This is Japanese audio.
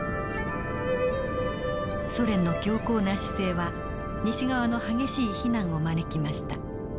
ソ連の強硬な姿勢は西側の激しい非難を招きました。